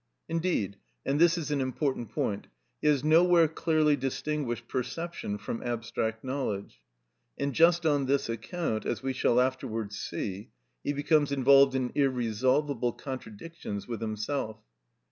Indeed, and this is an important point, he has nowhere clearly distinguished perception from abstract knowledge, and just on this account, as we shall afterwards see, he becomes involved in irresolvable contradictions with himself.